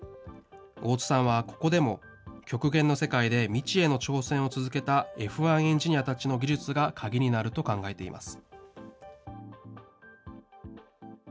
大津さんはここでも、極限の世界で未知への挑戦を続けた、Ｆ１エンジニアたちの技術が鍵になると考えています。